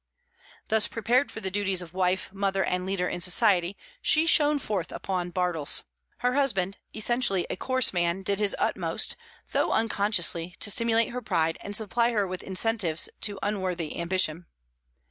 Thus prepared for the duties of wife, mother, and leader in society, she shone forth upon Bartles. Her husband, essentially a coarse man, did his utmost, though unconsciously, to stimulate her pride and supply her with incentives to unworthy ambition.